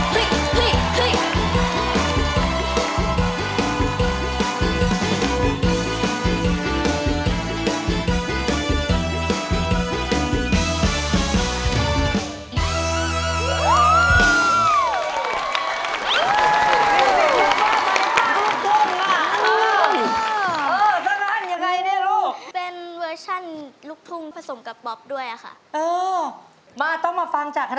ลูกฉันขึ้นมาใหม่